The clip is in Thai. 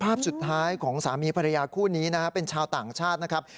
ภาพสุดท้ายของสามีภรรยาคู่นี้นะครับเป็นชาวต่างชาตินะครับ